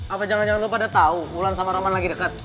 apa jangan jangan lo pada tau wulan sama roman lagi deket